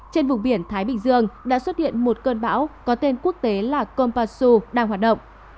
trên vùng biển thái bình dương đã xuất hiện một cơn bão có tên quốc tế là compasu đang hoạt động